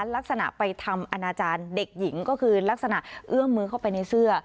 ลักษณะไปทำอนาจารย์เด็กหญิงก็คือลักษณะเอื้อมมือเข้าไปในเสื้อ